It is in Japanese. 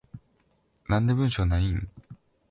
なんで文章ないん？